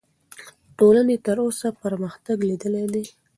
ټولنې تر اوسه پرمختګ لیدلی دی.